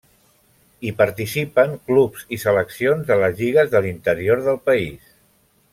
Hi participen clubs i seleccions de les lligues de l'interior del país.